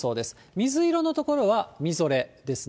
水色の所はみぞれですね。